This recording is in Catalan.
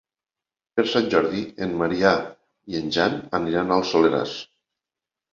Per Sant Jordi en Maria i en Jan aniran al Soleràs.